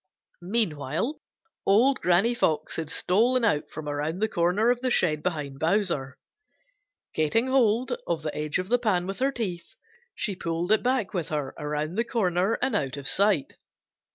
Meanwhile old Granny Fox had stolen out from around the corner of the shed behind Bowser. Getting hold of the edge of the pan with her teeth she pulled it back with her around the corner and out of sight.